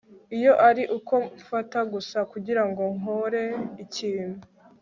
Iyo ari uko mfata gusa kugira ngo nkore ikintu